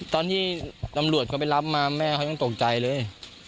ตอนที่ตำรวจเขาไปรับมาแม่เขายังตกใจเลย